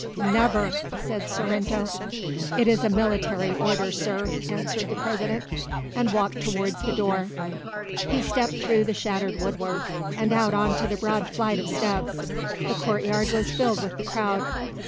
"Never!" said Sorrento. "It is a military order, Sir," answered the President, and walked towards the door. He stepped through the shattered woodwork and out on the broad flight of steps. The courtyard was filled with the crowd.